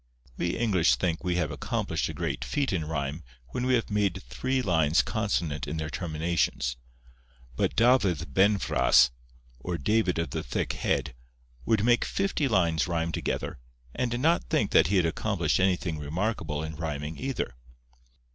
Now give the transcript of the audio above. We English think we have accomplished a great feat in rhyme when we have made three lines consonant in their terminations; but Dafydd Benfras, or David of the Thick Head, would make fifty lines rhyme together, and not think that he had accomplished anything remarkable in rhyming either.